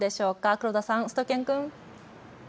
黒田さん、しゅと犬くん。